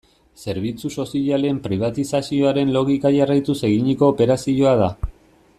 Zerbitzu sozialen pribatizazioaren logika jarraituz eginiko operazioa da.